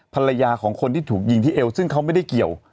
ภรรยาของคนที่ถูกยิงที่เอวซึ่งเขาไม่ได้เกี่ยว